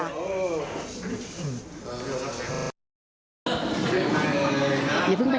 ตอนนี้ล่ะครับ